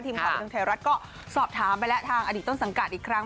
บันทึงไทยรัฐก็สอบถามไปแล้วทางอดีตต้นสังกัดอีกครั้ง